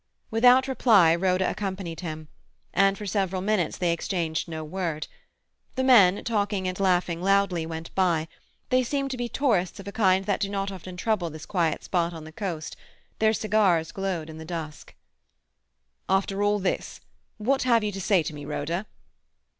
Without reply Rhoda accompanied him, and for several minutes they exchanged no word. The men, talking and laughing loudly, went by; they seemed to be tourists of a kind that do not often trouble this quiet spot on the coast; their cigars glowed in the dusk. "After all this, what have you to say to me, Rhoda?"